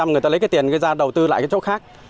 chín mươi năm người ta lấy cái tiền ra đầu tư lại cái chỗ khác